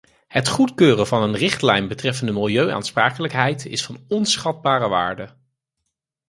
Het goedkeuren van een richtlijn betreffende milieuaansprakelijkheid is van onschatbare waarde.